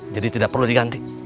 jadi tidak perlu diganti